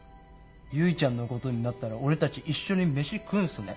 唯ちゃんのことになったら俺たち一緒に飯食うんすね。